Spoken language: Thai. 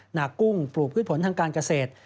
หนักกุ้งปลูกพืชผลทางการเกษตร